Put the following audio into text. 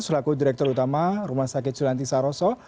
selaku direktur utama rumah sakit sulanti saroso